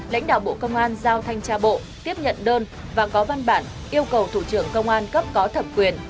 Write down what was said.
lãnh đạo bộ công an giao thanh tra bộ tiếp nhận đơn và có văn bản yêu cầu thủ trưởng công an cấp có thẩm quyền